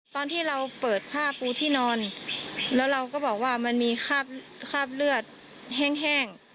ตอนที่เราเปิดผ้าปูที่นอนแล้วเราก็บอกว่ามันมีคราบเลือดแห้ง